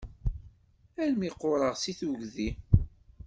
Armi qqureɣ seg tugdi!